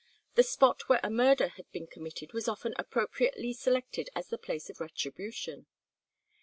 The spot where a murder had been committed was often appropriately selected as the place of retribution.